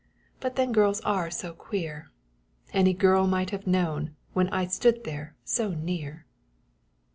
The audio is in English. But then girls are so queer! Any girl might have known, When I stood there so near!